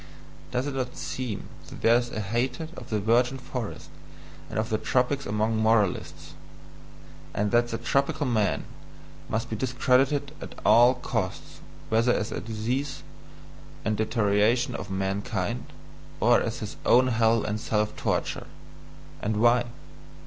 Does it not seem that there is a hatred of the virgin forest and of the tropics among moralists? And that the "tropical man" must be discredited at all costs, whether as disease and deterioration of mankind, or as his own hell and self torture? And why?